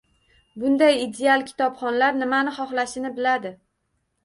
Bunday ideal kitobxonlar nimani xohlashini biladi.